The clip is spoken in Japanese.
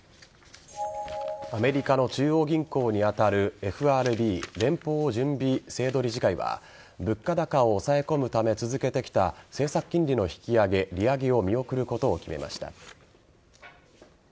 アメリカの中央銀行に当たるＦＲＢ＝連邦準備制度理事会は物価高を押さえ込むため続けてきた政策金利の引き上げ＝利上げを見送ることを決めました。